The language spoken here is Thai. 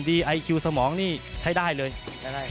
ได้ครับ